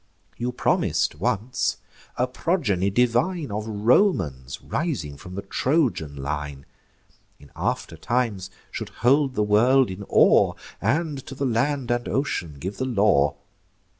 You promis'd once, a progeny divine Of Romans, rising from the Trojan line, In after times should hold the world in awe, And to the land and ocean give the law.